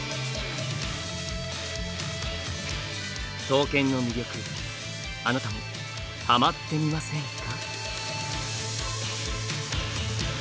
刀剣の魅力あなたもハマってみませんか？